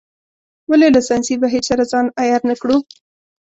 ولې له ساینسي بهیر سره ځان عیار نه کړو.